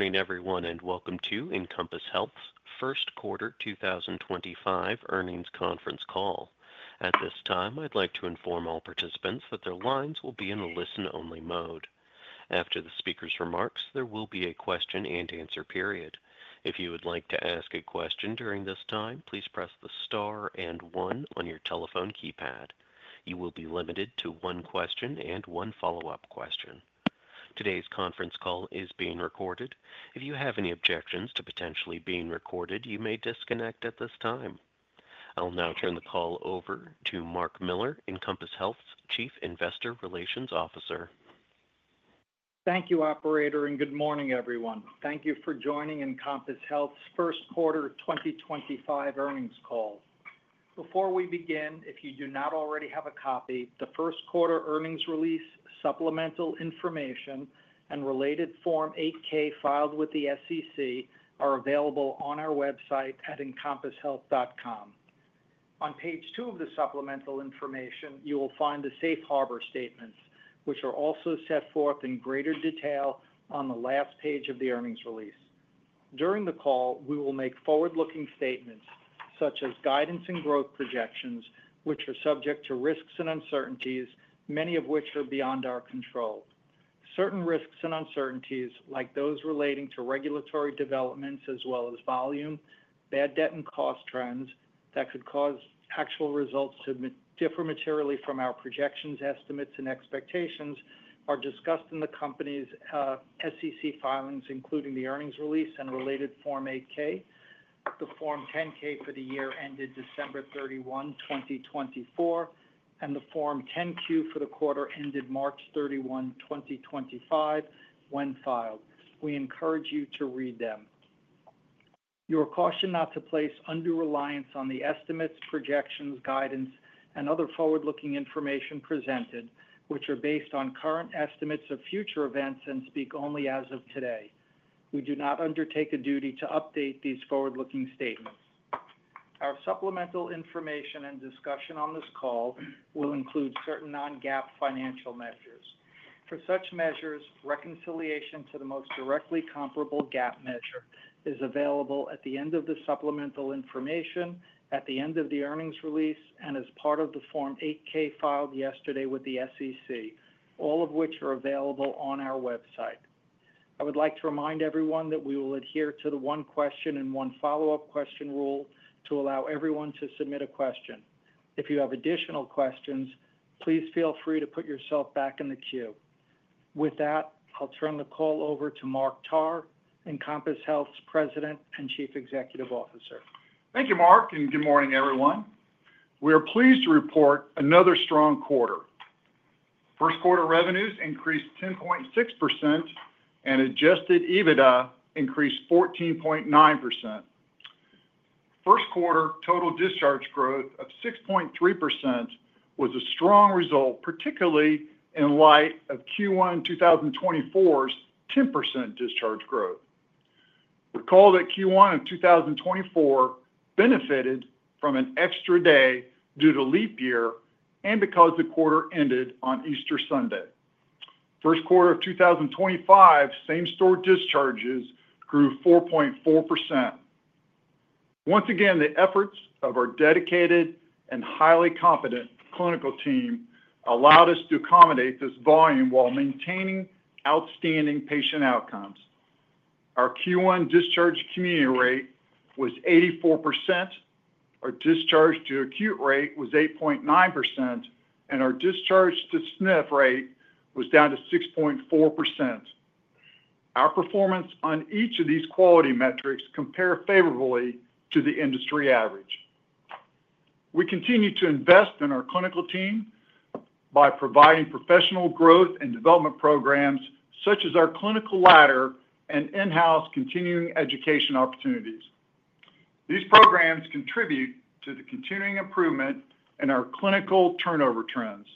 Good morning, everyone, and welcome to Encompass Health's first quarter 2025 earnings conference call. At this time, I'd like to inform all participants that their lines will be in a listen-only mode. After the speaker's remarks, there will be a question-and-answer period. If you would like to ask a question during this time, please press the star and one on your telephone keypad. You will be limited to one question and one follow-up question. Today's conference call is being recorded. If you have any objections to potentially being recorded, you may disconnect at this time. I'll now turn the call over to Mark Miller, Encompass Health's Chief Investor Relations Officer. Thank you, Operator, and good morning, everyone. Thank you for joining Encompass Health's first quarter 2025 earnings call. Before we begin, if you do not already have a copy, the first quarter earnings release, supplemental information, and related Form 8-K filed with the SEC are available on our website at encompasshealth.com. On page two of the supplemental information, you will find the safe harbor statements, which are also set forth in greater detail on the last page of the earnings release. During the call, we will make forward-looking statements such as guidance and growth projections, which are subject to risks and uncertainties, many of which are beyond our control. Certain risks and uncertainties, like those relating to regulatory developments as well as volume, bad debt, and cost trends that could cause actual results to differ materially from our projections, estimates, and expectations, are discussed in the company's SEC filings, including the earnings release and related Form 8-K, the Form 10-K for the year ended December 31, 2024, and the Form 10-Q for the quarter ended March 31, 2025, when filed. We encourage you to read them. You are cautioned not to place undue reliance on the estimates, projections, guidance, and other forward-looking information presented, which are based on current estimates of future events and speak only as of today. We do not undertake a duty to update these forward-looking statements. Our supplemental information and discussion on this call will include certain non-GAAP financial measures. For such measures, reconciliation to the most directly comparable GAAP measure is available at the end of the supplemental information, at the end of the earnings release, and as part of the Form 8-K filed yesterday with the SEC, all of which are available on our website. I would like to remind everyone that we will adhere to the one question and one follow-up question rule to allow everyone to submit a question. If you have additional questions, please feel free to put yourself back in the queue. With that, I'll turn the call over to Mark Tarr, Encompass Health's President and Chief Executive Officer. Thank you, Mark, and good morning, everyone. We are pleased to report another strong quarter. First quarter revenues increased 10.6%, and adjusted EBITDA increased 14.9%. First quarter total discharge growth of 6.3% was a strong result, particularly in light of Q1 2024's 10% discharge growth. Recall that Q1 of 2024 benefited from an extra day due to leap year and because the quarter ended on Easter Sunday. First quarter of 2025, same-store discharges grew 4.4%. Once again, the efforts of our dedicated and highly competent clinical team allowed us to accommodate this volume while maintaining outstanding patient outcomes. Our Q1 discharge community rate was 84%, our discharge to acute rate was 8.9%, and our discharge to SNF rate was down to 6.4%. Our performance on each of these quality metrics compares favorably to the industry average. We continue to invest in our clinical team by providing professional growth and development programs such as our clinical ladder and in-house continuing education opportunities. These programs contribute to the continuing improvement in our clinical turnover trends.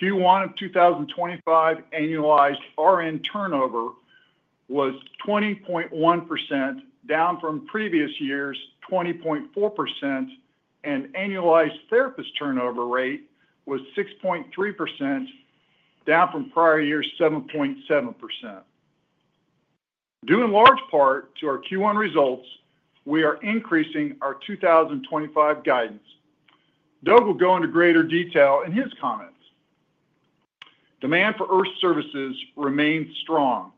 Q1 of 2025 annualized RN turnover was 20.1%, down from previous year's 20.4%, and annualized therapist turnover rate was 6.3%, down from prior year's 7.7%. Due in large part to our Q1 results, we are increasing our 2025 guidance. Doug will go into greater detail in his comments. Demand for IRF services remains strong,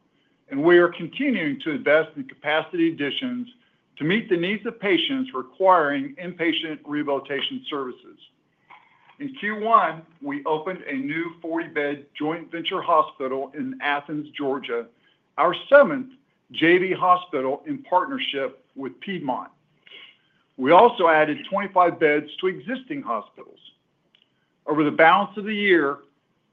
and we are continuing to invest in capacity additions to meet the needs of patients requiring inpatient rehabilitation services. In Q1, we opened a new 40-bed joint venture hospital in Athens, Georgia, our seventh JV hospital in partnership with Piedmont. We also added 25 beds to existing hospitals. Over the balance of the year,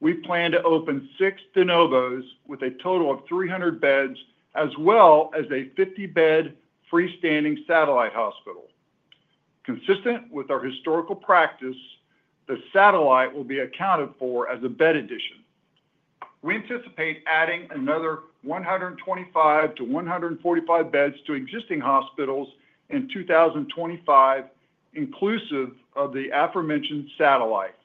we plan to open six de novos with a total of 300 beds, as well as a 50-bed freestanding satellite hospital. Consistent with our historical practice, the satellite will be accounted for as a bed addition. We anticipate adding another 125-145 beds to existing hospitals in 2025, inclusive of the aforementioned satellite.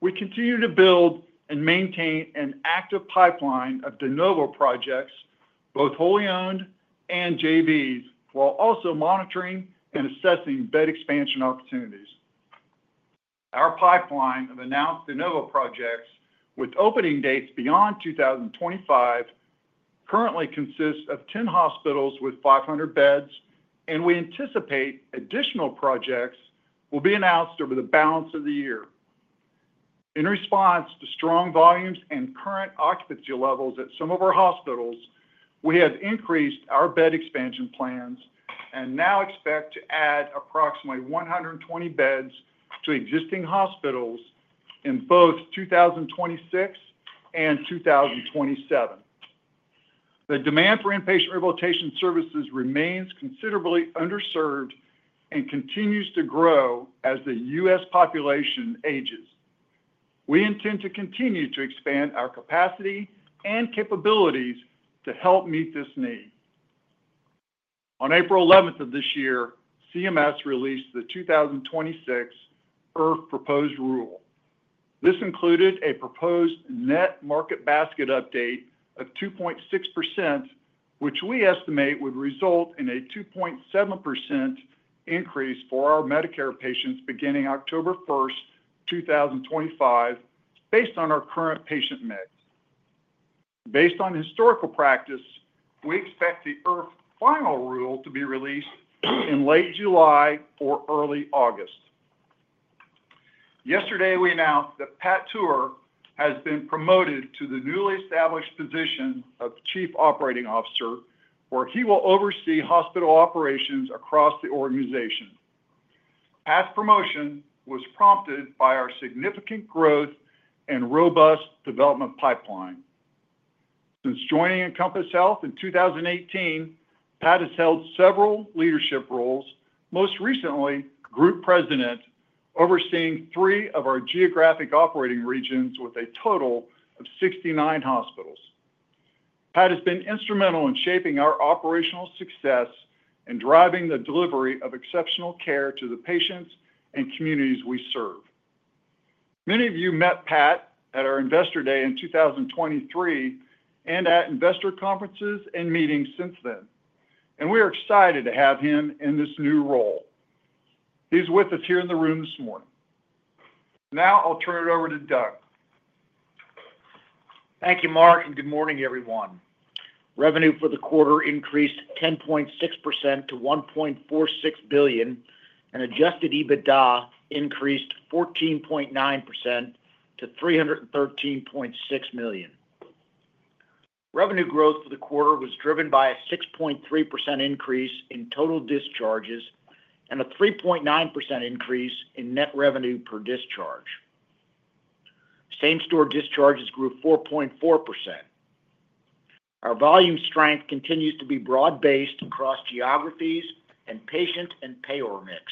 We continue to build and maintain an active pipeline of de novo projects, both wholly owned and JVs, while also monitoring and assessing bed expansion opportunities. Our pipeline of announced de novo projects, with opening dates beyond 2025, currently consists of 10 hospitals with 500 beds, and we anticipate additional projects will be announced over the balance of the year. In response to strong volumes and current occupancy levels at some of our hospitals, we have increased our bed expansion plans and now expect to add approximately 120 beds to existing hospitals in both 2026 and 2027. The demand for inpatient rehabilitation services remains considerably underserved and continues to grow as the U.S. population ages. We intend to continue to expand our capacity and capabilities to help meet this need. On April 11th of this year, CMS released the 2026 IRF proposed rule. This included a proposed net market basket update of 2.6%, which we estimate would result in a 2.7% increase for our Medicare patients beginning October 1st, 2025, based on our current patient mix. Based on historical practice, we expect the IRF final rule to be released in late July or early August. Yesterday, we announced that Pat Tuer has been promoted to the newly established position of Chief Operating Officer, where he will oversee hospital operations across the organization. Pat's promotion was prompted by our significant growth and robust development pipeline. Since joining Encompass Health in 2018, Pat has held several leadership roles, most recently Group President, overseeing three of our geographic operating regions with a total of 69 hospitals. Pat has been instrumental in shaping our operational success and driving the delivery of exceptional care to the patients and communities we serve. Many of you met Pat at our Investor Day in 2023 and at investor conferences and meetings since then, and we are excited to have him in this new role. He's with us here in the room this morning. Now I'll turn it over to Doug. Thank you, Mark, and good morning, everyone. Revenue for the quarter increased 10.6% to $1.46 billion, and adjusted EBITDA increased 14.9% to $313.6 million. Revenue growth for the quarter was driven by a 6.3% increase in total discharges and a 3.9% increase in net revenue per discharge. Same-store discharges grew 4.4%. Our volume strength continues to be broad-based across geographies and patient and payer mix.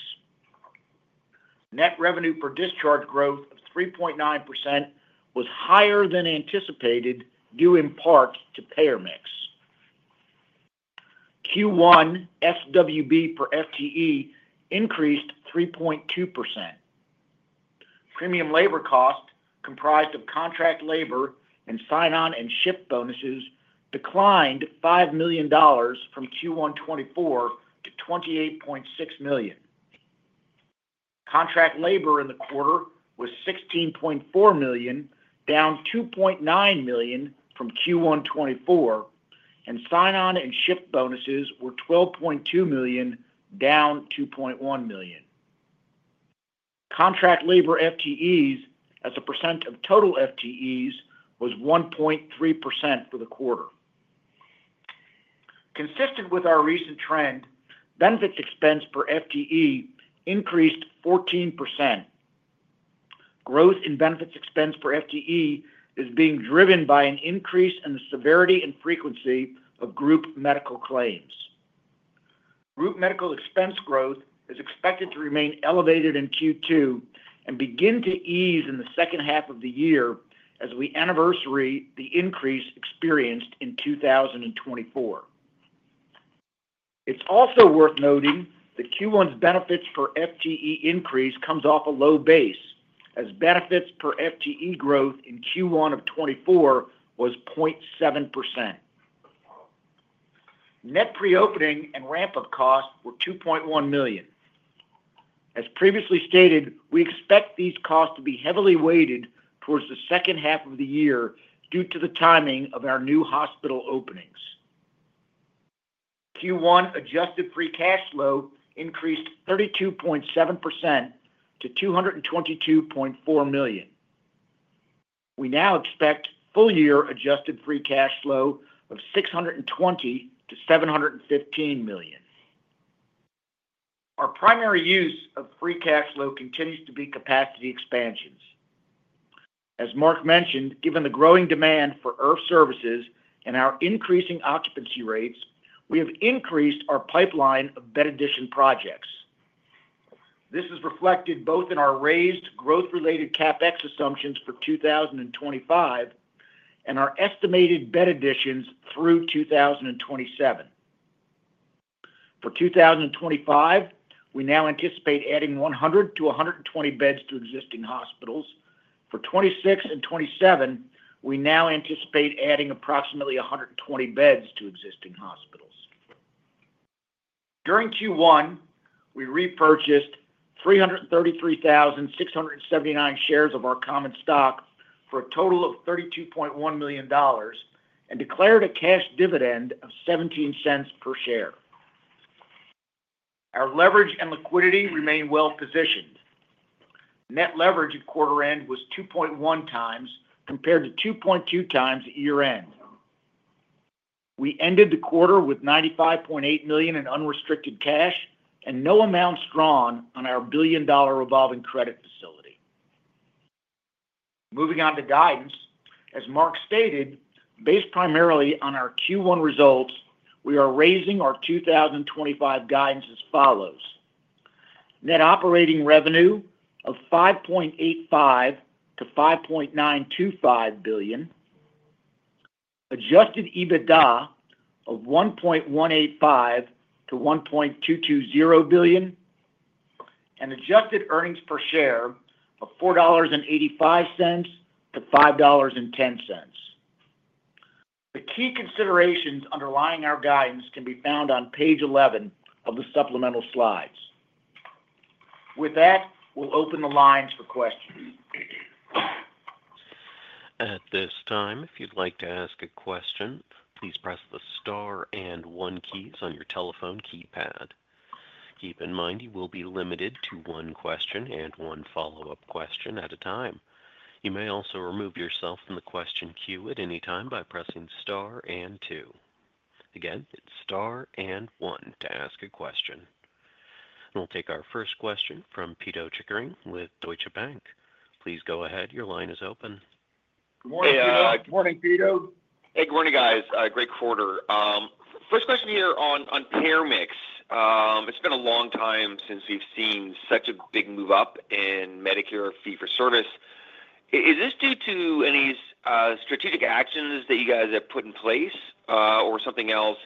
Net revenue per discharge growth of 3.9% was higher than anticipated due in part to payer mix. Q1 SWB per FTE increased 3.2%. Premium labor cost, comprised of contract labor and sign-on and shift bonuses, declined $5 million from Q1 2024 to $28.6 million. Contract labor in the quarter was $16.4 million, down $2.9 million from Q1 2024, and sign-on and shift bonuses were $12.2 million, down $2.1 million. Contract labor FTEs, as a percent of total FTEs, was 1.3% for the quarter. Consistent with our recent trend, benefits expense per FTE increased 14%. Growth in benefits expense per FTE is being driven by an increase in the severity and frequency of group medical claims. Group medical expense growth is expected to remain elevated in Q2 and begin to ease in the second half of the year as we anniversary the increase experienced in 2024. It's also worth noting that Q1's benefits for FTE increase comes off a low base, as benefits per FTE growth in Q1 of 2024 was 0.7%. Net pre-opening and ramp-up costs were $2.1 million. As previously stated, we expect these costs to be heavily weighted towards the second half of the year due to the timing of our new hospital openings. Q1 adjusted free cash flow increased 32.7% to $222.4 million. We now expect full-year adjusted free cash flow of $620 million-$715 million. Our primary use of free cash flow continues to be capacity expansions. As Mark mentioned, given the growing demand for IRF services and our increasing occupancy rates, we have increased our pipeline of bed addition projects. This is reflected both in our raised growth-related CapEx assumptions for 2025 and our estimated bed additions through 2027. For 2025, we now anticipate adding 100-120 beds to existing hospitals. For 2026 and 2027, we now anticipate adding approximately 120 beds to existing hospitals. During Q1, we repurchased 333,679 shares of our common stock for a total of $32.1 million and declared a cash dividend of $0.17 per share. Our leverage and liquidity remain well positioned. Net leverage at quarter-end was 2.1x compared to 2.2x at year-end. We ended the quarter with $95.8 million in unrestricted cash and no amounts drawn on our $1 billion revolving credit facility. Moving on to guidance, as Mark stated, based primarily on our Q1 results, we are raising our 2025 guidance as follows: net operating revenue of $5.85 billion-$5.925 billion, adjusted EBITDA of $1.185 billion-$1.220 billion, and adjusted earnings per share of $4.85-$5.10. The key considerations underlying our guidance can be found on page 11 of the supplemental slides. With that, we'll open the lines for questions. At this time, if you'd like to ask a question, please press the star and one keys on your telephone keypad. Keep in mind you will be limited to one question and one follow-up question at a time. You may also remove yourself from the question queue at any time by pressing star and two. Again, it's star and one to ask a question. We'll take our first question from Pito Chickering with Deutsche Bank. Please go ahead. Your line is open. Good morning, Pito. Good morning, Pito. Hey, good morning, guys. Great quarter. First question here on payer mix. It's been a long time since we've seen such a big move up in Medicare fee-for-service. Is this due to any strategic actions that you guys have put in place or something else?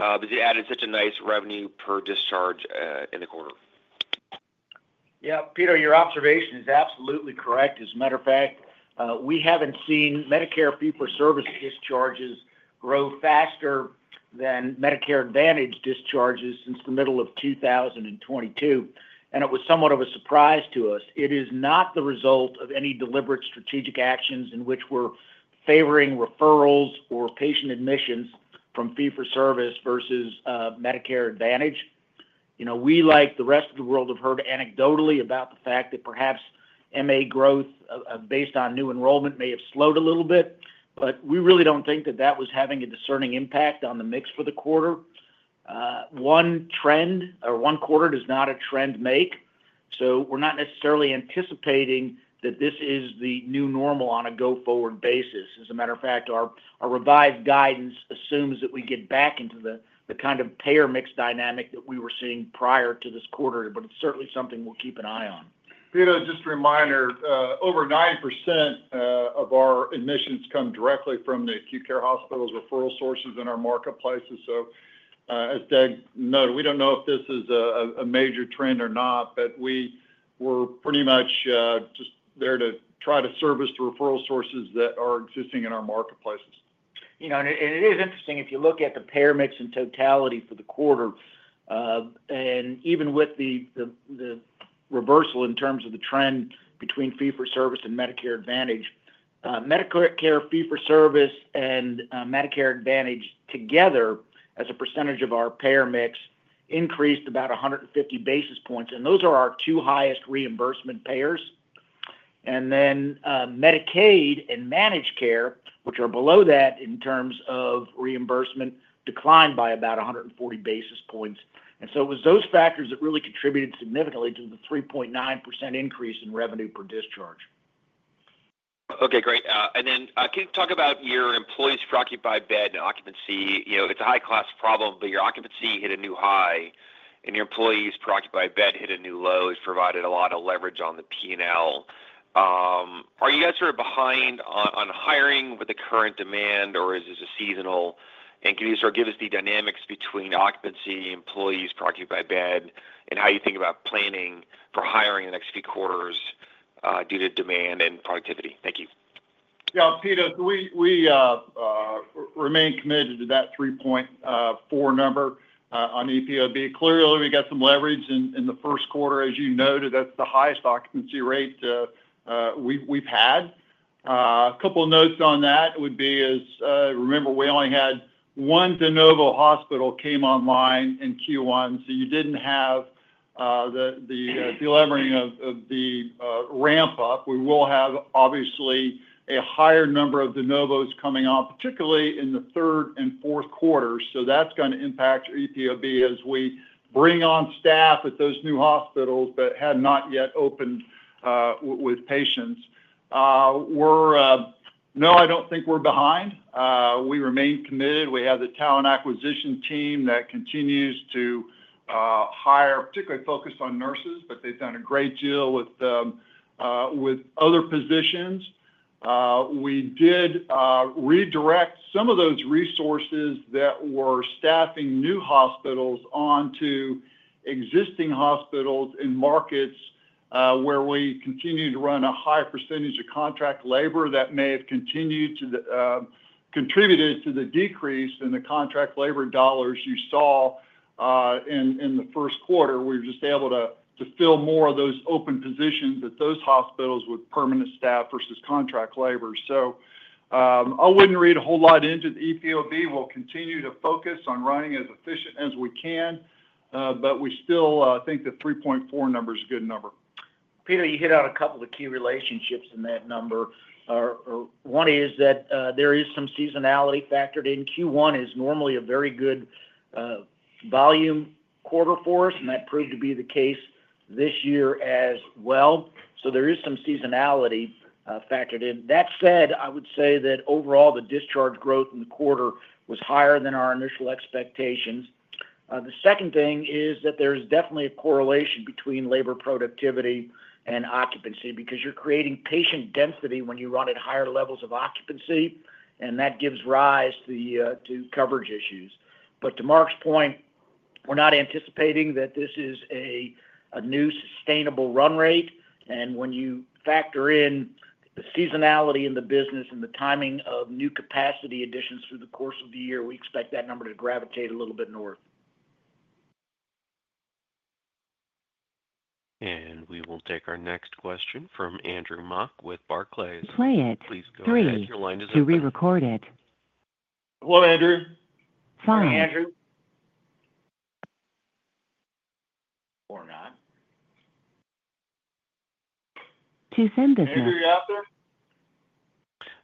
Has it added such a nice revenue per discharge in the quarter? Yeah, Pito, your observation is absolutely correct. As a matter of fact, we haven't seen Medicare fee-for-service discharges grow faster than Medicare Advantage discharges since the middle of 2022, and it was somewhat of a surprise to us. It is not the result of any deliberate strategic actions in which we're favoring referrals or patient admissions from fee-for-service versus Medicare Advantage. We, like the rest of the world, have heard anecdotally about the fact that perhaps MA growth based on new enrollment may have slowed a little bit, but we really don't think that that was having a discerning impact on the mix for the quarter. One trend or one quarter does not a trend make, so we're not necessarily anticipating that this is the new normal on a go-forward basis. As a matter of fact, our revised guidance assumes that we get back into the kind of payer mix dynamic that we were seeing prior to this quarter, but it's certainly something we'll keep an eye on. Pito, just a reminder, over 90% of our admissions come directly from the acute care hospitals' referral sources in our marketplaces. As Doug noted, we don't know if this is a major trend or not, but we were pretty much just there to try to service the referral sources that are existing in our marketplaces. You know, it is interesting if you look at the payer mix in totality for the quarter, and even with the reversal in terms of the trend between fee for service and Medicare Advantage, Medicare fee for service and Medicare Advantage together as a percentage of our payer mix increased about 150 basis points, and those are our two highest reimbursement payers. Medicaid and managed care, which are below that in terms of reimbursement, declined by about 140 basis points. It was those factors that really contributed significantly to the 3.9% increase in revenue per discharge. Okay, great. Can you talk about your employees per occupied bed and occupancy? You know, it's a high-class problem, but your occupancy hit a new high, and your employees per occupied bed hit a new low, which provided a lot of leverage on the P&L. Are you guys sort of behind on hiring with the current demand, or is this a seasonal? Can you sort of give us the dynamics between occupancy, employees per occupied bed, and how you think about planning for hiring in the next few quarters due to demand and productivity? Thank you. Yeah, Pito, we remain committed to that 3.4 number on EPOB. Clearly, we got some leverage in the first quarter, as you noted. That is the highest occupancy rate we have had. A couple of notes on that would be, remember, we only had one de novo hospital come online in Q1, so you did not have the delivering of the ramp-up. We will have, obviously, a higher number of de novos coming on, particularly in the third and fourth quarters. That is going to impact EPOB as we bring on staff at those new hospitals that had not yet opened with patients. No, I do not think we are behind. We remain committed. We have the talent acquisition team that continues to hire, particularly focused on nurses, but they have done a great deal with other positions. We did redirect some of those resources that were staffing new hospitals onto existing hospitals in markets where we continue to run a high percentage of contract labor that may have continued to contribute to the decrease in the contract labor dollars you saw in the first quarter. We were just able to fill more of those open positions at those hospitals with permanent staff versus contract labor. I would not read a whole lot into the EPOB. We will continue to focus on running as efficient as we can, but we still think the 3.4 number is a good number. Pito, you hit on a couple of key relationships in that number. One is that there is some seasonality factored in. Q1 is normally a very good volume quarter for us, and that proved to be the case this year as well. There is some seasonality factored in. That said, I would say that overall, the discharge growth in the quarter was higher than our initial expectations. The second thing is that there is definitely a correlation between labor productivity and occupancy because you're creating patient density when you run at higher levels of occupancy, and that gives rise to coverage issues. To Mark's point, we're not anticipating that this is a new sustainable run rate. When you factor in the seasonality in the business and the timing of new capacity additions through the course of the year, we expect that number to gravitate a little bit north. We will take our next question from Andrew Mok with Barclays. Play it. Please go ahead and ask, your line is up. To be recorded. Hello, Andrew. Hi, Andrew. Or not. To send this now. Andrew, you're out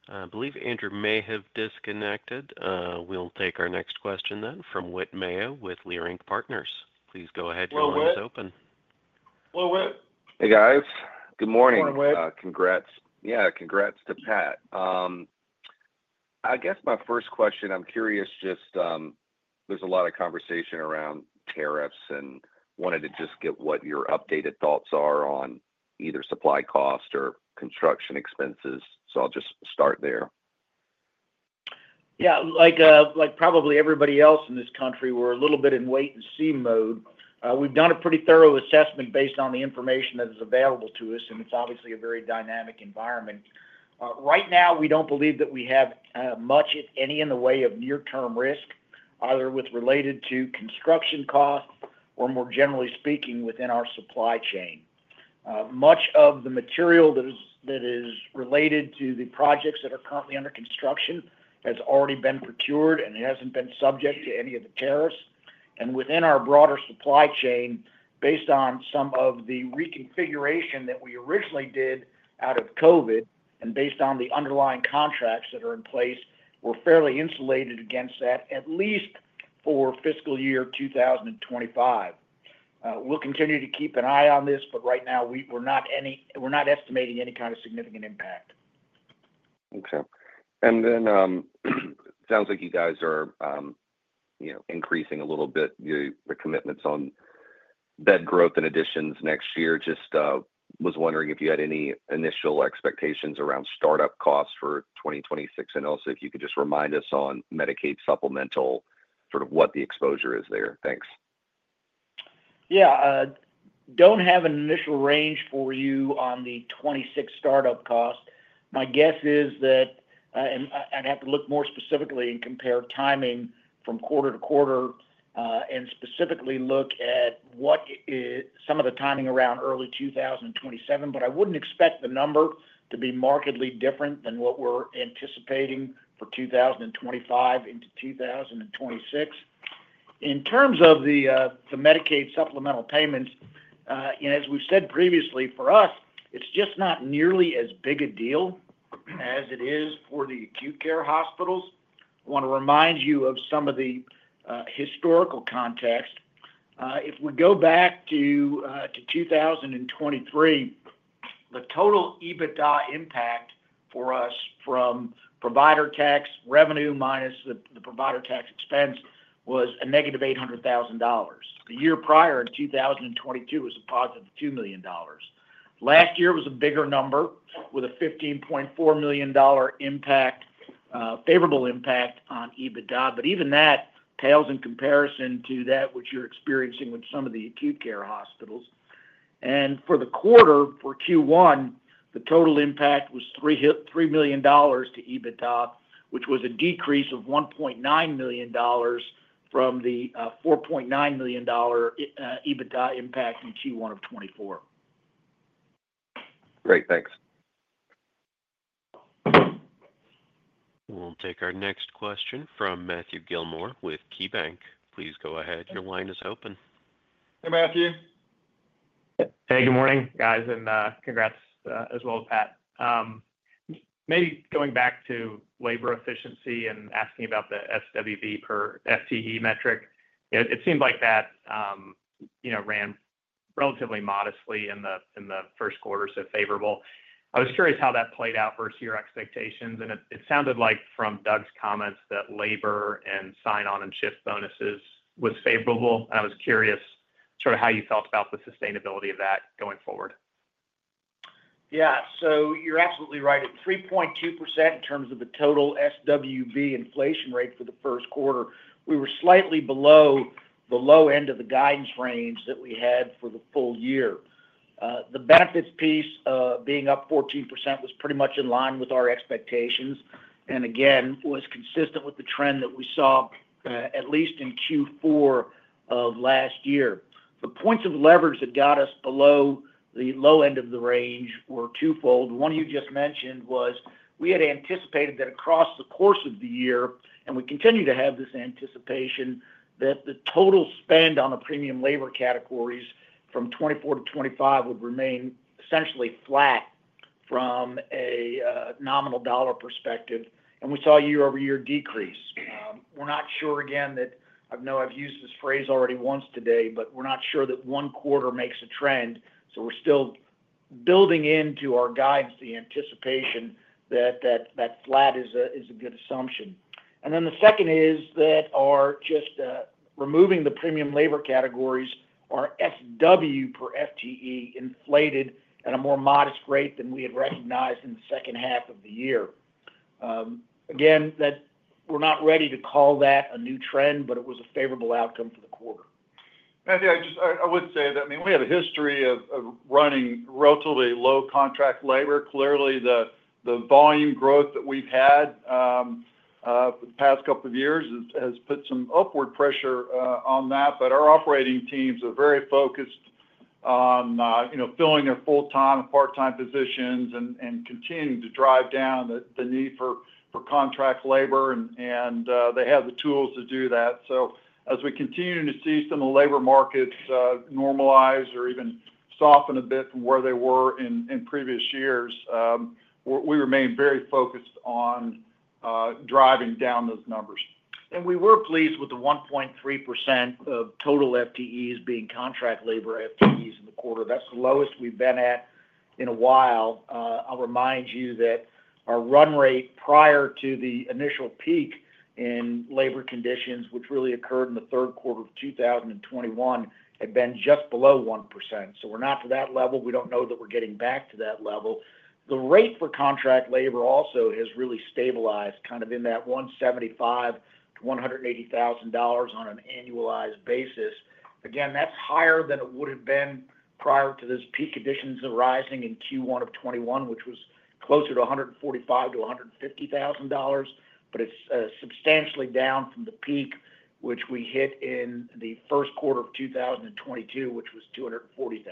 there? I believe Andrew may have disconnected. We'll take our next question then from Whit Mayo with Leerink Partners. Please go ahead when it's open. Hello, Whit. Hey, guys. Good morning. Good morning, Whit. Yeah, congrats to Pat. I guess my first question, I'm curious, just there's a lot of conversation around tariffs and wanted to just get what your updated thoughts are on either supply cost or construction expenses. I will just start there. Yeah, like probably everybody else in this country, we're a little bit in wait-and-see mode. We've done a pretty thorough assessment based on the information that is available to us, and it's obviously a very dynamic environment. Right now, we don't believe that we have much, if any, in the way of near-term risk, either with related to construction costs or, more generally speaking, within our supply chain. Much of the material that is related to the projects that are currently under construction has already been procured, and it hasn't been subject to any of the tariffs. Within our broader supply chain, based on some of the reconfiguration that we originally did out of COVID and based on the underlying contracts that are in place, we're fairly insulated against that at least for fiscal year 2025. We'll continue to keep an eye on this, but right now, we're not estimating any kind of significant impact. Okay. It sounds like you guys are increasing a little bit the commitments on bed growth and additions next year. Just was wondering if you had any initial expectations around startup costs for 2026, and also if you could just remind us on Medicaid supplemental, sort of what the exposure is there. Thanks. Yeah, don't have an initial range for you on the 2026 startup cost. My guess is that I'd have to look more specifically and compare timing from quarter to quarter and specifically look at some of the timing around early 2027, but I wouldn't expect the number to be markedly different than what we're anticipating for 2025 into 2026. In terms of the Medicaid supplemental payments, as we've said previously, for us, it's just not nearly as big a deal as it is for the acute care hospitals. I want to remind you of some of the historical context. If we go back to 2023, the total EBITDA impact for us from provider tax revenue minus the provider tax expense was a -$800,000. The year prior in 2022 was a +$2 million. Last year was a bigger number with a $15.4 million impact, favorable impact on EBITDA, but even that pales in comparison to that which you're experiencing with some of the acute care hospitals. For the quarter, for Q1, the total impact was $3 million to EBITDA, which was a decrease of $1.9 million from the $4.9 million EBITDA impact in Q1 of 2024. Great. Thanks. We'll take our next question from Matthew Gillmor with KeyBanc. Please go ahead. Your line is open. Hey, Matthew. Hey, good morning, guys, and congrats as well to Pat. Maybe going back to labor efficiency and asking about the SWB per FTE metric, it seemed like that ran relatively modestly in the first quarter, so favorable. I was curious how that played out versus your expectations, and it sounded like from Doug's comments that labor and sign-on and shift bonuses was favorable. I was curious sort of how you felt about the sustainability of that going forward. Yeah, so you're absolutely right. At 3.2% in terms of the total SWB inflation rate for the first quarter, we were slightly below the low end of the guidance range that we had for the full year. The benefits piece being up 14% was pretty much in line with our expectations and, again, was consistent with the trend that we saw at least in Q4 of last year. The points of leverage that got us below the low end of the range were twofold. One you just mentioned was we had anticipated that across the course of the year, and we continue to have this anticipation, that the total spend on the premium labor categories from 2024 to 2025 would remain essentially flat from a nominal dollar perspective, and we saw year-over-year decrease. We're not sure, again, that I know I've used this phrase already once today, but we're not sure that one quarter makes a trend, so we're still building into our guidance the anticipation that that flat is a good assumption. The second is that just removing the premium labor categories, our SWB per FTE inflated at a more modest rate than we had recognized in the second half of the year. Again, we're not ready to call that a new trend, but it was a favorable outcome for the quarter. Matthew, I would say that, I mean, we have a history of running relatively low contract labor. Clearly, the volume growth that we've had for the past couple of years has put some upward pressure on that, but our operating teams are very focused on filling their full-time and part-time positions and continuing to drive down the need for contract labor, and they have the tools to do that. As we continue to see some of the labor markets normalize or even soften a bit from where they were in previous years, we remain very focused on driving down those numbers. We were pleased with the 1.3% of total FTEs being contract labor FTEs in the quarter. That is the lowest we have been at in a while. I will remind you that our run rate prior to the initial peak in labor conditions, which really occurred in the third quarter of 2021, had been just below 1%. We are not to that level. We do not know that we are getting back to that level. The rate for contract labor also has really stabilized kind of in that $175,000-$180,000 on an annualized basis. Again, that is higher than it would have been prior to those peak additions arising in Q1 of 2021, which was closer to $145,000-$150,000, but it is substantially down from the peak which we hit in the first quarter of 2022, which was $240,000.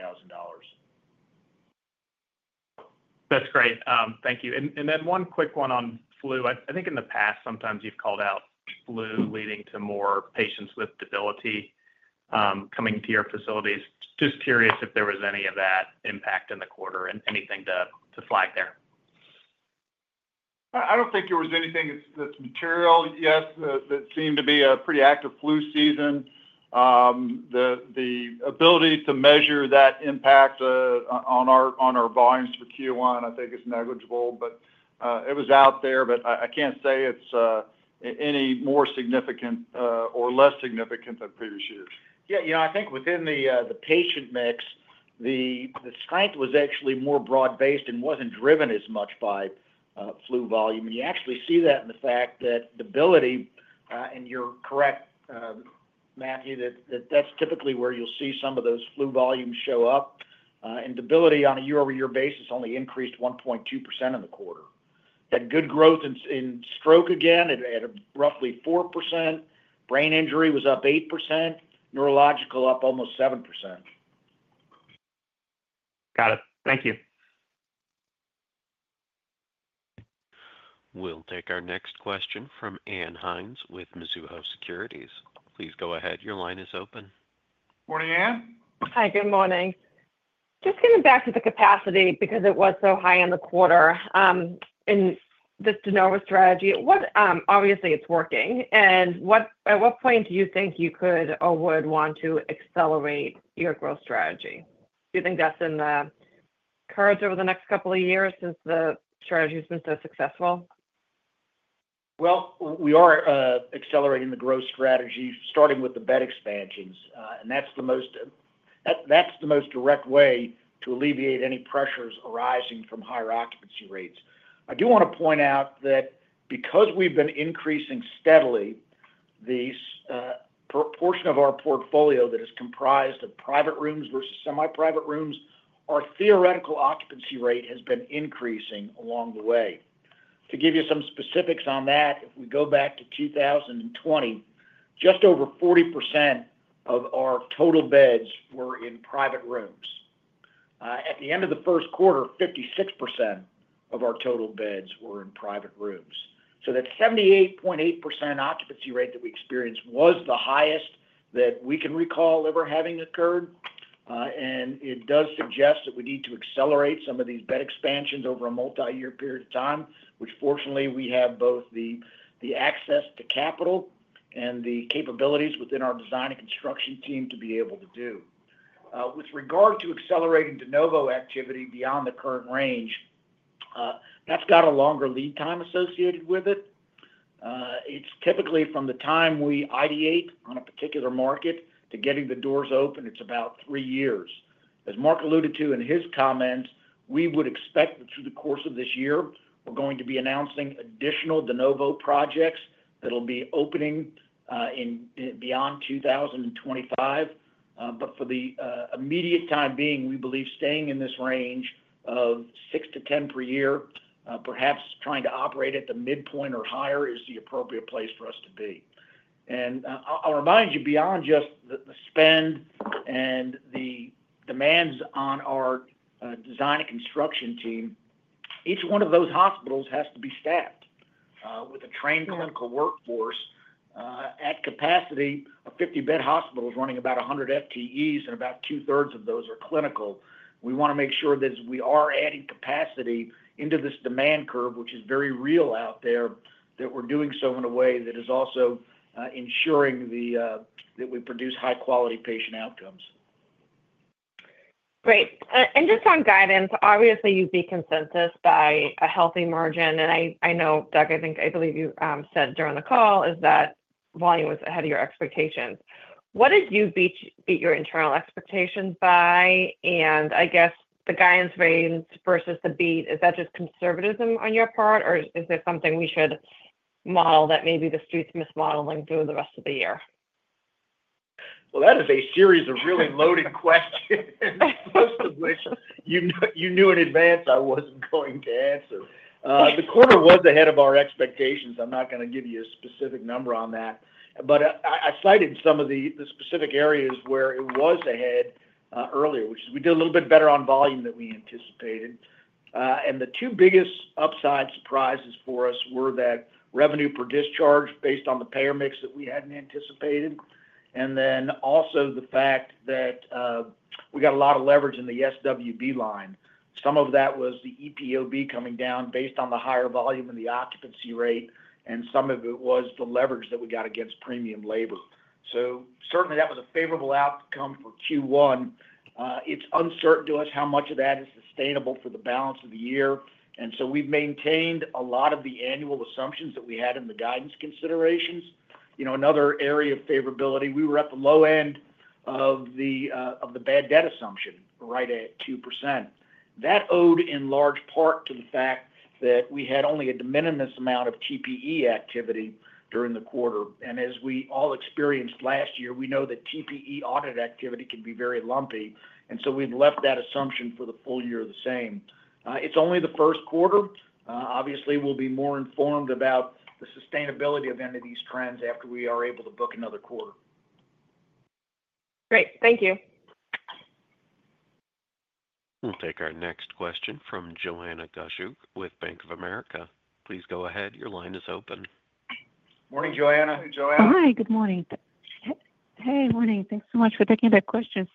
That's great. Thank you. One quick one on flu. I think in the past, sometimes you've called out flu leading to more patients with debility coming to your facilities. Just curious if there was any of that impact in the quarter and anything to flag there. I don't think there was anything that's material yet. That seemed to be a pretty active flu season. The ability to measure that impact on our volumes for Q1, I think, is negligible, but it was out there, but I can't say it's any more significant or less significant than previous years. Yeah, I think within the patient mix, the strength was actually more broad-based and was not driven as much by flu volume. You actually see that in the fact that debility, and you are correct, Matthew, that is typically where you will see some of those flu volumes show up. Debility on a year-over-year basis only increased 1.2% in the quarter. Had good growth in stroke again at roughly 4%. Brain injury was up 8%. Neurological up almost 7%. Got it. Thank you. We'll take our next question from Ann Hynes with Mizuho Securities. Please go ahead. Your line is open. Morning, Anne. Hi, good morning. Just getting back to the capacity because it was so high in the quarter in the de novo strategy. Obviously, it's working. At what point do you think you could or would want to accelerate your growth strategy? Do you think that's in the current or over the next couple of years since the strategy has been so successful? We are accelerating the growth strategy starting with the bed expansions, and that's the most direct way to alleviate any pressures arising from higher occupancy rates. I do want to point out that because we've been increasing steadily, the portion of our portfolio that is comprised of private rooms versus semi-private rooms, our theoretical occupancy rate has been increasing along the way. To give you some specifics on that, if we go back to 2020, just over 40% of our total beds were in private rooms. At the end of the first quarter, 56% of our total beds were in private rooms. That 78.8% occupancy rate that we experienced was the highest that we can recall ever having occurred, and it does suggest that we need to accelerate some of these bed expansions over a multi-year period of time, which fortunately we have both the access to capital and the capabilities within our design and construction team to be able to do. With regard to accelerating de novo activity beyond the current range, that's got a longer lead time associated with it. It's typically from the time we ideate on a particular market to getting the doors open, it's about three years. As Mark alluded to in his comments, we would expect that through the course of this year, we're going to be announcing additional de novo projects that will be opening beyond 2025. For the immediate time being, we believe staying in this range of 6-10 per year, perhaps trying to operate at the midpoint or higher, is the appropriate place for us to be. I'll remind you, beyond just the spend and the demands on our design and construction team, each one of those hospitals has to be staffed with a trained clinical workforce. At capacity, a 50-bed hospital is running about 100 FTEs, and about two-thirds of those are clinical. We want to make sure that as we are adding capacity into this demand curve, which is very real out there, that we're doing so in a way that is also ensuring that we produce high-quality patient outcomes. Great. Just on guidance, obviously, you beat consensus by a healthy margin, and I know, Doug, I believe you said during the call is that volume was ahead of your expectations. What did you beat your internal expectations by? I guess the guidance range versus the beat, is that just conservatism on your part, or is there something we should model that maybe the street's mismodeling through the rest of the year? That is a series of really loaded questions, most of which you knew in advance I was not going to answer. The quarter was ahead of our expectations. I am not going to give you a specific number on that, but I cited some of the specific areas where it was ahead earlier, which is we did a little bit better on volume than we anticipated. The two biggest upside surprises for us were that revenue per discharge based on the payer mix that we had not anticipated, and also the fact that we got a lot of leverage in the SWB line. Some of that was the EPOB coming down based on the higher volume and the occupancy rate, and some of it was the leverage that we got against premium labor. Certainly, that was a favorable outcome for Q1. It's uncertain to us how much of that is sustainable for the balance of the year, and so we've maintained a lot of the annual assumptions that we had in the guidance considerations. Another area of favorability, we were at the low end of the bad debt assumption right at 2%. That owed in large part to the fact that we had only a de minimis amount of TPE activity during the quarter, and as we all experienced last year, we know that TPE audit activity can be very lumpy, and so we've left that assumption for the full year the same. It's only the first quarter. Obviously, we'll be more informed about the sustainability of any of these trends after we are able to book another quarter. Great. Thank you. We'll take our next question from Joanna Gajuk with BofA Securities. Please go ahead. Your line is open. Morning, Joanna. Hi, Joanna Hi, good morning. Hey, morning. Thanks so much for taking that question.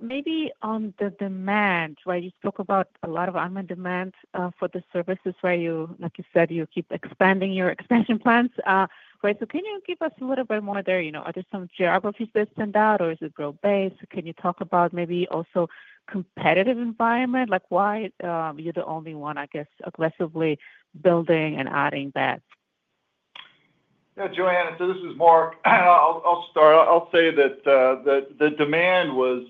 Maybe on the demand, right, you spoke about a lot of on-demand for the services, right? Like you said, you keep expanding your expansion plans, right? Can you give us a little bit more there? Are there some geographies that stand out, or is it growth-based? Can you talk about maybe also competitive environment? Why are you the only one, I guess, aggressively building and adding that? Yeah, Joanna, so this is Mark. I'll start. I'll say that the demand was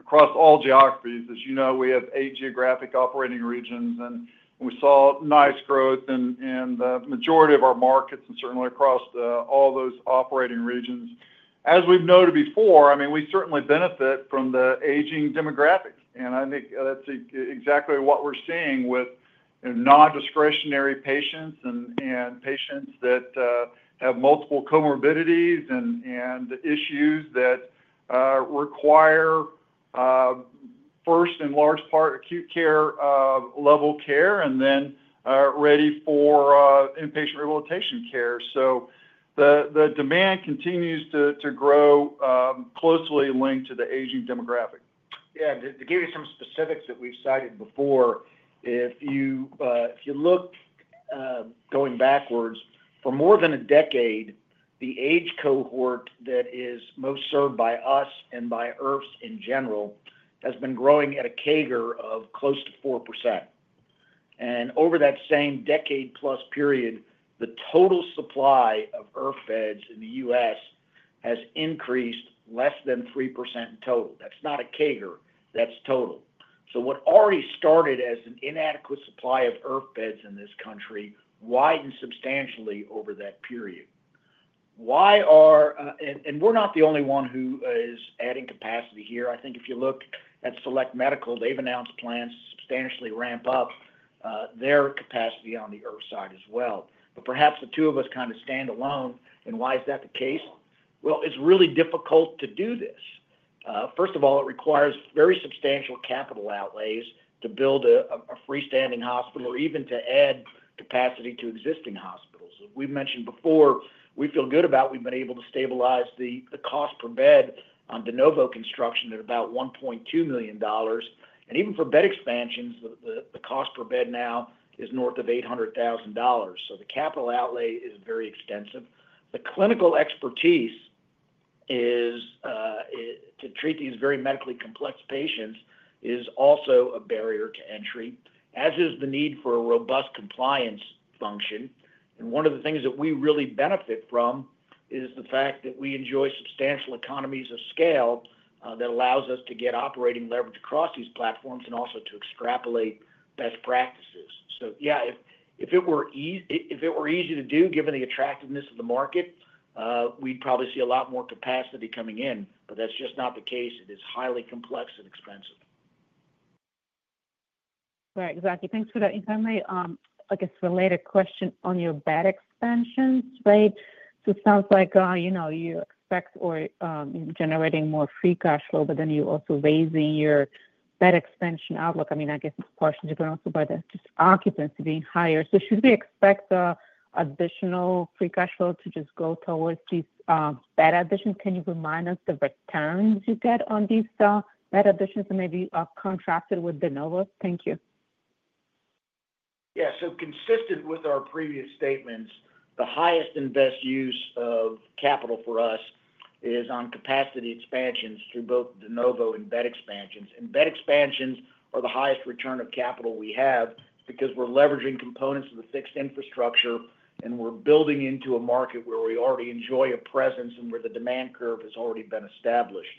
across all geographies. As you know, we have eight geographic operating regions, and we saw nice growth in the majority of our markets and certainly across all those operating regions. As we've noted before, I mean, we certainly benefit from the aging demographics, and I think that's exactly what we're seeing with nondiscretionary patients and patients that have multiple comorbidities and issues that require, first, in large part, acute care level care and then ready for inpatient rehabilitation care. The demand continues to grow closely linked to the aging demographic. Yeah. To give you some specifics that we've cited before, if you look going backwards, for more than a decade, the age cohort that is most served by us and by IRFs in general has been growing at a CAGR of close to 4%. Over that same decade-plus period, the total supply of IRF beds in the U.S. has increased less than 3% in total. That is not a CAGR. That is total. What already started as an inadequate supply of IRF beds in this country widens substantially over that period. We are not the only one who is adding capacity here. I think if you look at Select Medical, they have announced plans to substantially ramp up their capacity on the IRF side as well. Perhaps the two of us kind of stand alone, and why is that the case? It is really difficult to do this. First of all, it requires very substantial capital outlays to build a freestanding hospital or even to add capacity to existing hospitals. As we've mentioned before, we feel good about we've been able to stabilize the cost per bed on de novo construction at about $1.2 million. And even for bed expansions, the cost per bed now is north of $800,000. The capital outlay is very extensive. The clinical expertise to treat these very medically complex patients is also a barrier to entry, as is the need for a robust compliance function. One of the things that we really benefit from is the fact that we enjoy substantial economies of scale that allows us to get operating leverage across these platforms and also to extrapolate best practices. Yeah, if it were easy to do, given the attractiveness of the market, we'd probably see a lot more capacity coming in, but that's just not the case. It is highly complex and expensive. Right. Exactly. Thanks for that. If I may, I guess, related question on your bed expansions, right? It sounds like you expect or you're generating more free cash flow, but then you're also raising your bed expansion outlook. I mean, I guess it's partially dependent also by the just occupancy being higher. Should we expect additional free cash flow to just go towards these bed additions? Can you remind us the returns you get on these bed additions that may be contracted with de novo? Thank you. Yeah. Consistent with our previous statements, the highest and best use of capital for us is on capacity expansions through both de novo and bed expansions. Bed expansions are the highest return of capital we have because we're leveraging components of the fixed infrastructure, and we're building into a market where we already enjoy a presence and where the demand curve has already been established.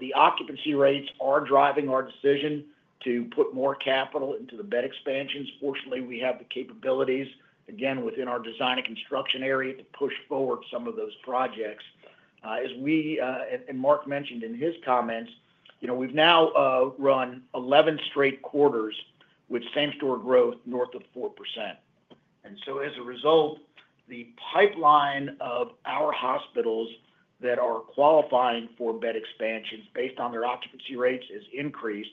The occupancy rates are driving our decision to put more capital into the bed expansions. Fortunately, we have the capabilities, again, within our design and construction area to push forward some of those projects. As Mark mentioned in his comments, we've now run 11 straight quarters with same-store growth north of 4%. As a result, the pipeline of our hospitals that are qualifying for bed expansions based on their occupancy rates has increased,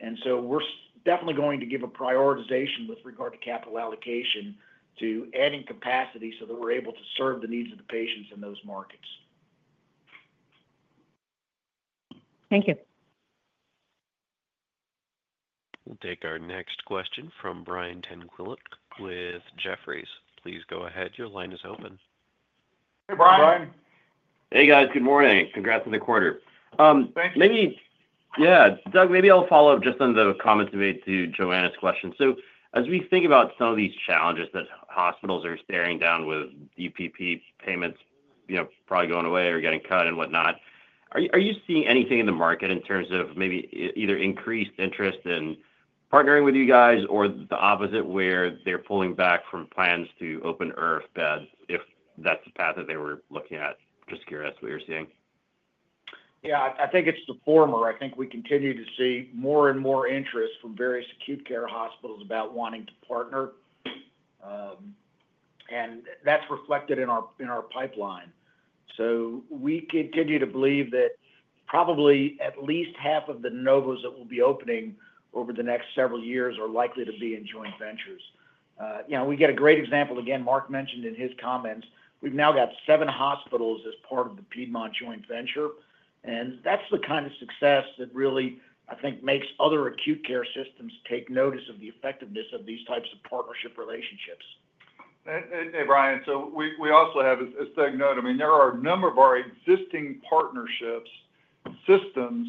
and so we're definitely going to give a prioritization with regard to capital allocation to adding capacity so that we're able to serve the needs of the patients in those markets. Thank you. We'll take our next question from Brian Tanquilut with Jefferies. Please go ahead. Your line is open. Hey, Brian. Hey, guys. Good morning. Congrats on the quarter. Thank you. Yeah. Doug, maybe I'll follow up just on the comments you made to Joanna's question. As we think about some of these challenges that hospitals are staring down with DPP payments probably going away or getting cut and whatnot, are you seeing anything in the market in terms of maybe either increased interest in partnering with you guys or the opposite where they're pulling back from plans to open IRF beds if that's the path that they were looking at? Just curious what you're seeing. Yeah. I think it's the former. I think we continue to see more and more interest from various acute care hospitals about wanting to partner, and that's reflected in our pipeline. We continue to believe that probably at least half of the de novos that will be opening over the next several years are likely to be in joint ventures. We get a great example, again, Mark mentioned in his comments. We've now got seven hospitals as part of the Piedmont joint venture, and that's the kind of success that really, I think, makes other acute care systems take notice of the effectiveness of these types of partnership relationships. Hey, Brian. We also have a second note. I mean, there are a number of our existing partnerships, systems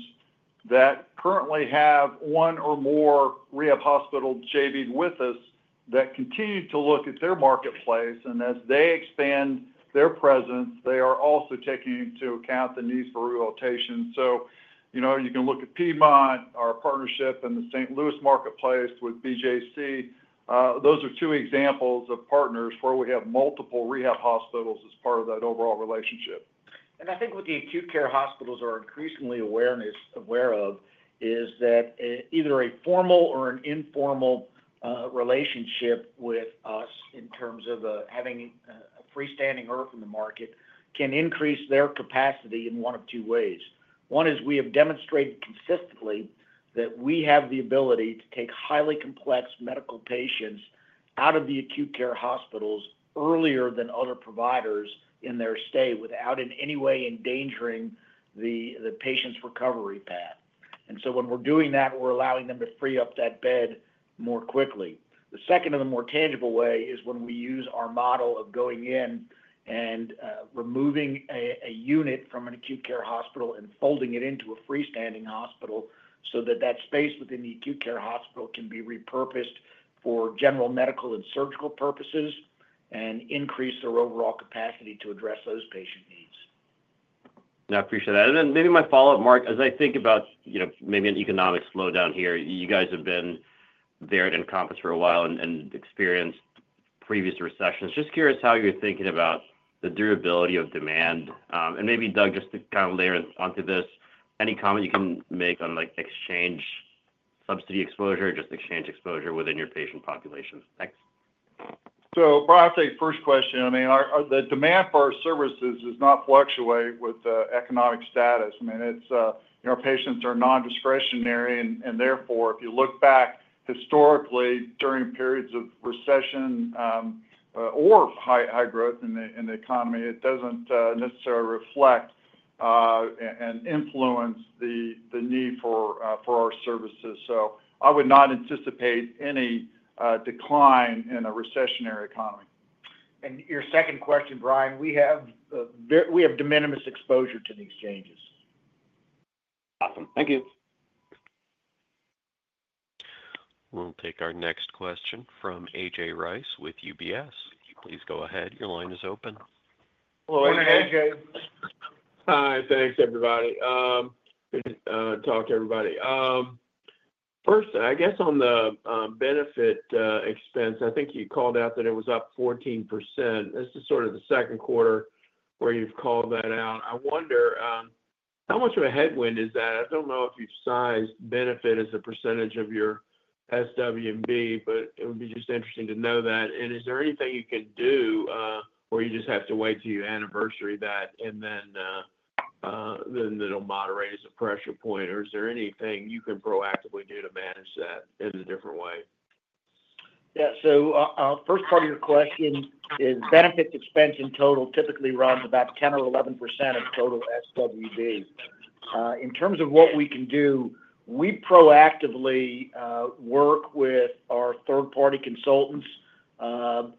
that currently have one or more rehab hospitals joint ventured with us that continue to look at their marketplace, and as they expand their presence, they are also taking into account the needs for rehabilitation. You can look at Piedmont, our partnership in the St. Louis marketplace with BJC. Those are two examples of partners where we have multiple rehab hospitals as part of that overall relationship. I think what the acute care hospitals are increasingly aware of is that either a formal or an informal relationship with us in terms of having a freestanding IRF in the market can increase their capacity in one of two ways. One is we have demonstrated consistently that we have the ability to take highly complex medical patients out of the acute care hospitals earlier than other providers in their stay without in any way endangering the patient's recovery path. When we're doing that, we're allowing them to free up that bed more quickly. The second of the more tangible way is when we use our model of going in and removing a unit from an acute care hospital and folding it into a freestanding hospital so that that space within the acute care hospital can be repurposed for general medical and surgical purposes and increase their overall capacity to address those patient needs. Yeah. I appreciate that. Maybe my follow-up, Mark, as I think about maybe an economic slowdown here, you guys have been there at Encompass for a while and experienced previous recessions. Just curious how you're thinking about the durability of demand. Maybe, Doug, just to kind of layer onto this, any comment you can make on exchange subsidy exposure or just exchange exposure within your patient population? Thanks. I'll say first question. I mean, the demand for our services does not fluctuate with economic status. I mean, our patients are nondiscretionary, and therefore, if you look back historically during periods of recession or high growth in the economy, it does not necessarily reflect and influence the need for our services. I would not anticipate any decline in a recessionary economy. Your second question, Brian, we have de minimis exposure to these changes. Awesome. Thank you. We'll take our next question from A.J. Rice with UBS. Please go ahead. Your line is open. Hello, A.J. Hey, A.J. Hi. Thanks, everybody. Good to talk to everybody. First, I guess on the benefit expense, I think you called out that it was up 14%. This is sort of the second quarter where you've called that out. I wonder how much of a headwind is that? I don't know if you've sized benefit as a percentage of your SWB, but it would be just interesting to know that. Is there anything you can do, or you just have to wait till your anniversary that, and then it'll moderate as a pressure point? Is there anything you can proactively do to manage that in a different way? Yeah. First part of your question is benefits expense in total typically runs about 10% or 11% of total SWB. In terms of what we can do, we proactively work with our third-party consultants kind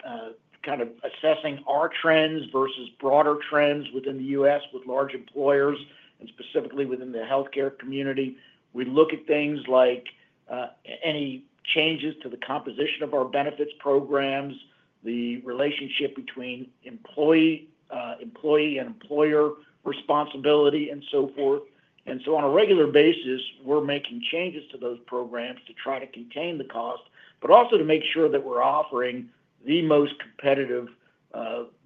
of assessing our trends versus broader trends within the U.S. with large employers and specifically within the healthcare community. We look at things like any changes to the composition of our benefits programs, the relationship between employee and employer responsibility, and so forth. On a regular basis, we're making changes to those programs to try to contain the cost, but also to make sure that we're offering the most competitive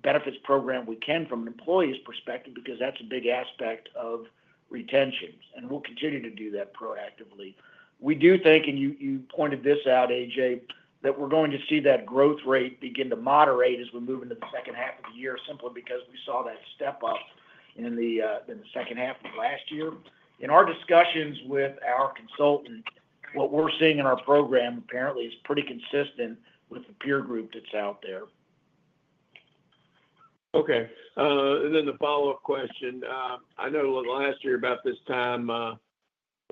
benefits program we can from an employee's perspective because that's a big aspect of retention. We'll continue to do that proactively. We do think, and you pointed this out, A.J., that we're going to see that growth rate begin to moderate as we move into the second half of the year simply because we saw that step up in the second half of last year. In our discussions with our consultant, what we're seeing in our program apparently is pretty consistent with the peer group that's out there. Okay. The follow-up question. I know last year about this time,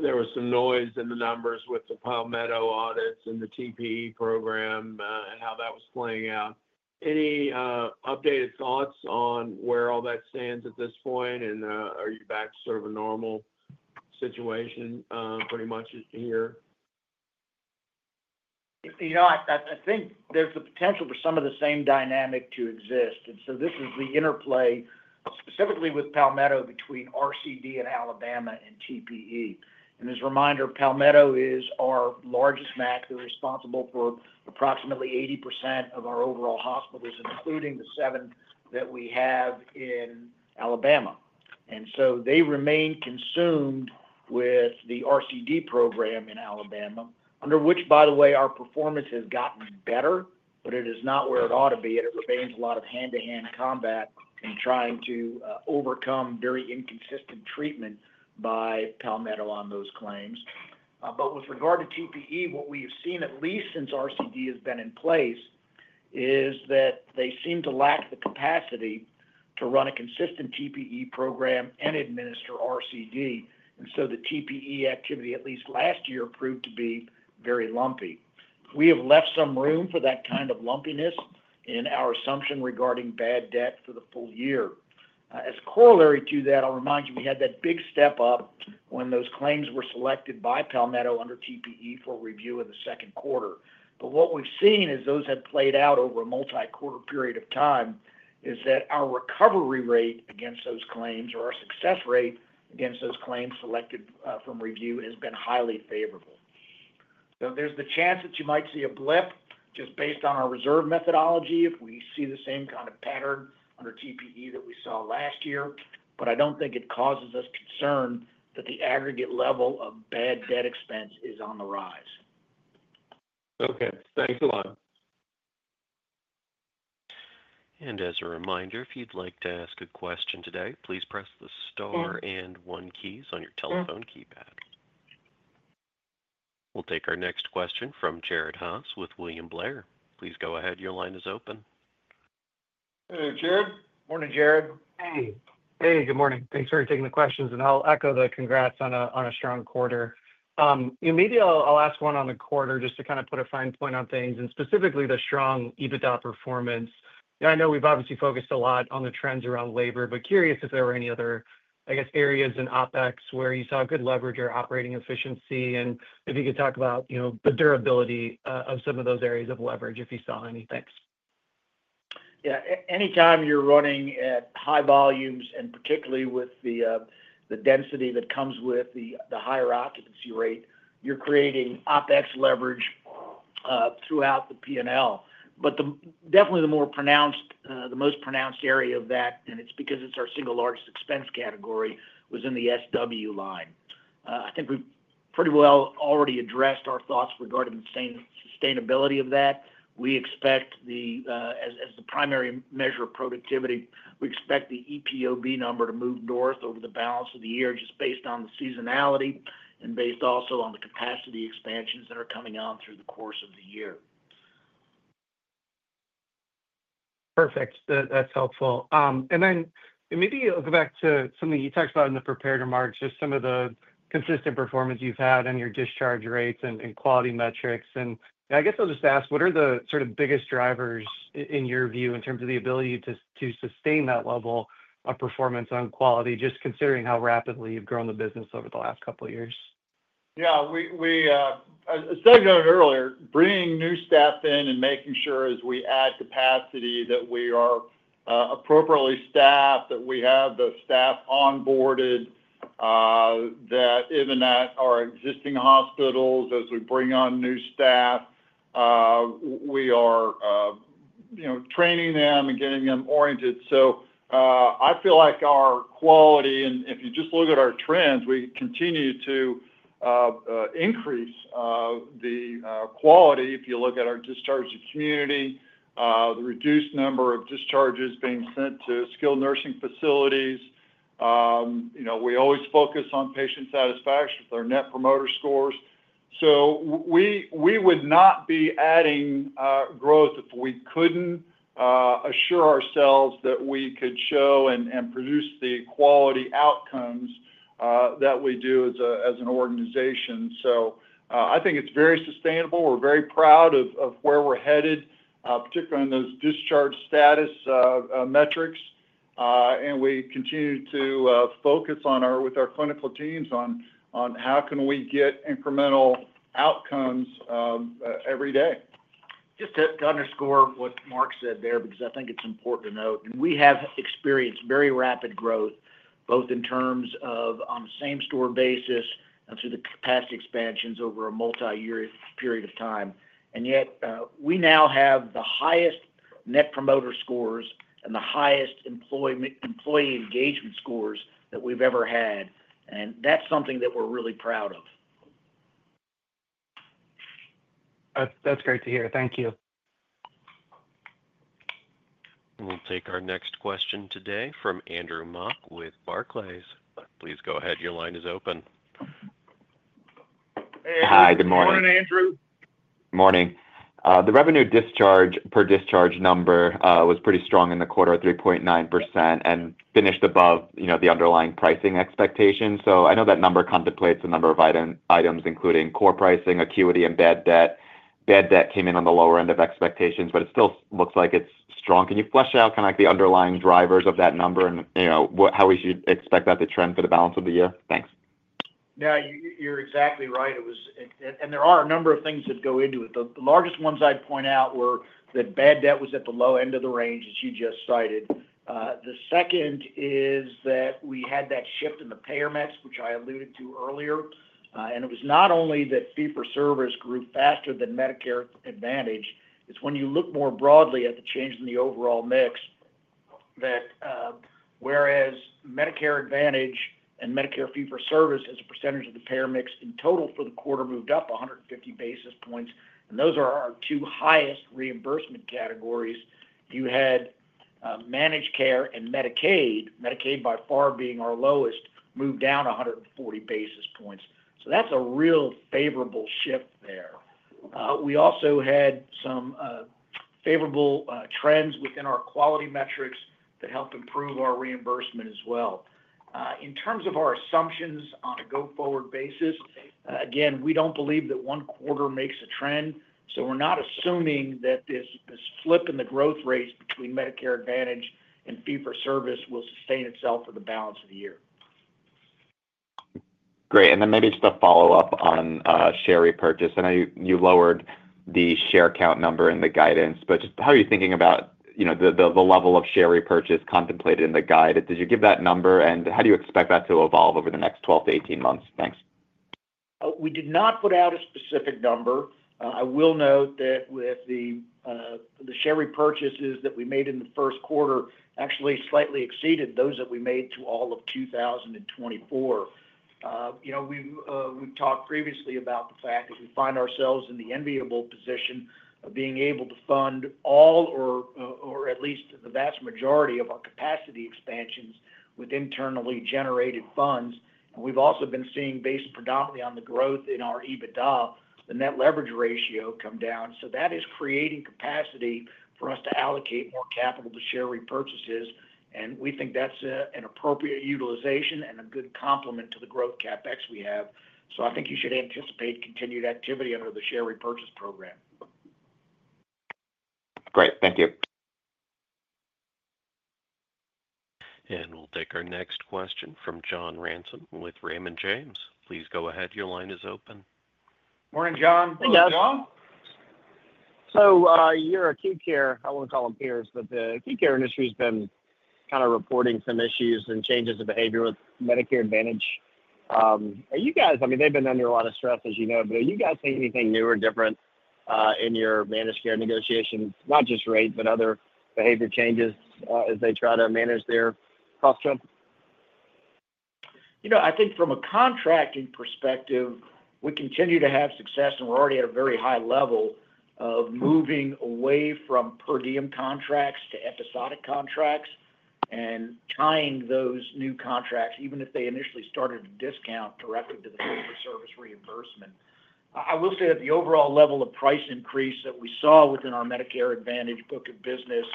there was some noise in the numbers with the Palmetto audits and the TPE program and how that was playing out. Any updated thoughts on where all that stands at this point? Are you back to sort of a normal situation pretty much here? I think there's the potential for some of the same dynamic to exist. This is the interplay specifically with Palmetto between RCD in Alabama and TPE. As a reminder, Palmetto is our largest MAC who are responsible for approximately 80% of our overall hospitals, including the seven that we have in Alabama. They remain consumed with the RCD program in Alabama, under which, by the way, our performance has gotten better, but it is not where it ought to be. It remains a lot of hand-to-hand combat and trying to overcome very inconsistent treatment by Palmetto on those claims. With regard to TPE, what we have seen at least since RCD has been in place is that they seem to lack the capacity to run a consistent TPE program and administer RCD. The TPE activity, at least last year, proved to be very lumpy. We have left some room for that kind of lumpiness in our assumption regarding bad debt for the full year. As a corollary to that, I'll remind you we had that big step up when those claims were selected by Palmetto under TPE for review in the second quarter. What we've seen as those have played out over a multi-quarter period of time is that our recovery rate against those claims or our success rate against those claims selected for review has been highly favorable. There is the chance that you might see a blip just based on our reserve methodology if we see the same kind of pattern under TPE that we saw last year. I don't think it causes us concern that the aggregate level of bad debt expense is on the rise. Okay. Thanks a lot. As a reminder, if you'd like to ask a question today, please press the star and one keys on your telephone keypad. We'll take our next question from Jared Haase with William Blair. Please go ahead. Your line is open. Hey, Jared. Morning, Jared. Hey. Good morning. Thanks for taking the questions. I'll echo the congrats on a strong quarter. I'll ask one on the quarter just to kind of put a fine point on things and specifically the strong EBITDA performance. I know we've obviously focused a lot on the trends around labor, but curious if there were any other, I guess, areas in OpEx where you saw good leverage or operating efficiency. If you could talk about the durability of some of those areas of leverage, if you saw any. Thanks. Yeah. Anytime you're running at high volumes, and particularly with the density that comes with the higher occupancy rate, you're creating OpEx leverage throughout the P&L. Definitely the most pronounced area of that, and it's because it's our single largest expense category, was in the SWB line. I think we've pretty well already addressed our thoughts regarding the sustainability of that. As the primary measure of productivity, we expect the EPOB number to move north over the balance of the year just based on the seasonality and based also on the capacity expansions that are coming on through the course of the year. Perfect. That's helpful. Maybe I'll go back to something you talked about in the prepared remarks, just some of the consistent performance you've had and your discharge rates and quality metrics. I guess I'll just ask, what are the sort of biggest drivers in your view in terms of the ability to sustain that level of performance on quality, just considering how rapidly you've grown the business over the last couple of years? Yeah. As I noted earlier, bringing new staff in and making sure as we add capacity that we are appropriately staffed, that we have the staff onboarded, that even at our existing hospitals, as we bring on new staff, we are training them and getting them oriented. I feel like our quality, and if you just look at our trends, we continue to increase the quality. If you look at our discharge to community, the reduced number of discharges being sent to skilled nursing facilities, we always focus on patient satisfaction with our Net Promoter Scores. We would not be adding growth if we could not assure ourselves that we could show and produce the quality outcomes that we do as an organization. I think it is very sustainable. We are very proud of where we are headed, particularly on those discharge status metrics. We continue to focus with our clinical teams on how can we get incremental outcomes every day. Just to underscore what Mark said there because I think it's important to note, we have experienced very rapid growth both in terms of on the same store basis and through the capacity expansions over a multi-year period of time. Yet we now have the highest net promoter scores and the highest employee engagement scores that we've ever had. That's something that we're really proud of. That's great to hear. Thank you. We'll take our next question today from Andrew Mok with Barclays. Please go ahead. Your line is open. Hi. Good morning. Good morning, Andrew. Good morning. The revenue per discharge number was pretty strong in the quarter, 3.9%, and finished above the underlying pricing expectations. I know that number contemplates a number of items, including core pricing, acuity, and bad debt. Bad debt came in on the lower end of expectations, but it still looks like it's strong. Can you flesh out kind of the underlying drivers of that number and how we should expect that to trend for the balance of the year? Thanks. Yeah. You're exactly right. There are a number of things that go into it. The largest ones I'd point out were that bad debt was at the low end of the range, as you just cited. The second is that we had that shift in the payer mix, which I alluded to earlier. It was not only that fee-for-service grew faster than Medicare Advantage. When you look more broadly at the change in the overall mix, Medicare Advantage and Medicare fee-for-service as a percentage of the payer mix in total for the quarter moved up 150 basis points. Those are our two highest reimbursement categories. You had managed care and Medicaid, Medicaid by far being our lowest, moved down 140 basis points. That's a real favorable shift there. We also had some favorable trends within our quality metrics that help improve our reimbursement as well. In terms of our assumptions on a go-forward basis, again, we do not believe that one quarter makes a trend. We are not assuming that this flip in the growth rates between Medicare Advantage and fee-for-service will sustain itself for the balance of the year. Great. Maybe just a follow-up on share repurchase. I know you lowered the share count number in the guidance, but just how are you thinking about the level of share repurchase contemplated in the guide? Did you give that number, and how do you expect that to evolve over the next 12 to 18 months? Thanks. We did not put out a specific number. I will note that with the share repurchases that we made in the first quarter actually slightly exceeded those that we made to all of 2024. We've talked previously about the fact that we find ourselves in the enviable position of being able to fund all or at least the vast majority of our capacity expansions with internally generated funds. We've also been seeing, based predominantly on the growth in our EBITDA, the net leverage ratio come down. That is creating capacity for us to allocate more capital to share repurchases. We think that's an appropriate utilization and a good complement to the growth CapEx we have. I think you should anticipate continued activity under the share repurchase program. Great. Thank you. We will take our next question from John Ransom with Raymond James. Please go ahead. Your line is open. Morning, John. Hey, John. You're a acute care. I won't call them peers, but the acute care industry has been kind of reporting some issues and changes in behavior with Medicare Advantage. I mean, they've been under a lot of stress, as you know, but are you guys seeing anything new or different in your managed care negotiations, not just rate, but other behavior changes as they try to manage their cost jump? I think from a contracting perspective, we continue to have success, and we're already at a very high level of moving away from per diem contracts to episodic contracts and tying those new contracts, even if they initially started at a discount, directly to the fee-for-service reimbursement. I will say that the overall level of price increase that we saw within our Medicare Advantage book of business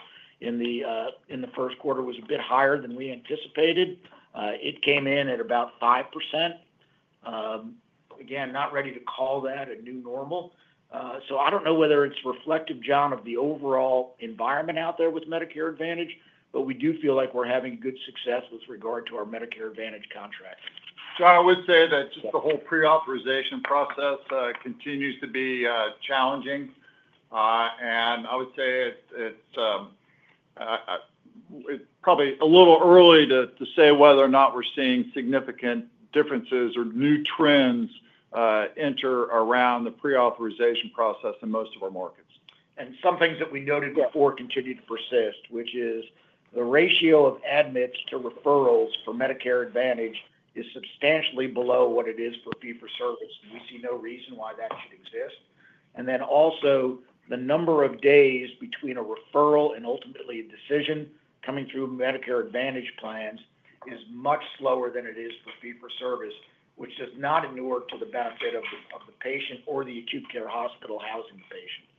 in the first quarter was a bit higher than we anticipated. It came in at about 5%. Again, not ready to call that a new normal. I do not know whether it's reflective, John, of the overall environment out there with Medicare Advantage, but we do feel like we're having good success with regard to our Medicare Advantage contract. I would say that just the whole pre-authorization process continues to be challenging. I would say it's probably a little early to say whether or not we're seeing significant differences or new trends enter around the pre-authorization process in most of our markets. Some things that we noted before continue to persist, which is the ratio of admits to referrals for Medicare Advantage is substantially below what it is for fee-for-service. We see no reason why that should exist. Also, the number of days between a referral and ultimately a decision coming through Medicare Advantage plans is much slower than it is for fee-for-service, which does not inure to the benefit of the patient or the acute care hospital housing the patient. Hey,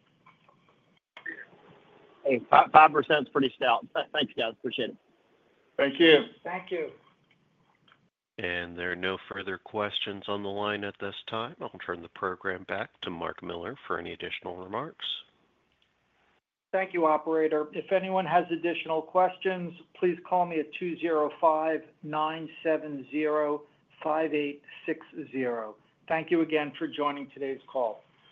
5% is pretty stout. Thanks, guys. Appreciate it. Thank you. Thank you. There are no further questions on the line at this time. I'll turn the program back to Mark Miller for any additional remarks. Thank you, operator. If anyone has additional questions, please call me at 205-970-5860. Thank you again for joining today's call.